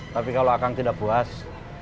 tapi kalau akan tidak puas